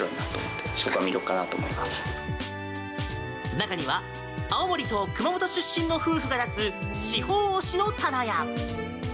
中には、青森と熊本出身の夫婦が出す地方推しの棚や。